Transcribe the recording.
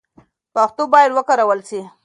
پښتو باید وکارول سي.